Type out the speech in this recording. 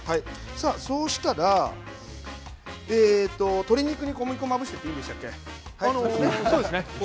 そうしたら鶏肉に小麦粉をまぶしているんでしたっけ？